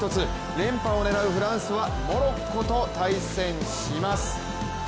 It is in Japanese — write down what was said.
連覇を狙うフランスはモロッコと対戦します。